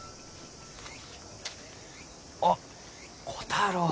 あっ虎太郎。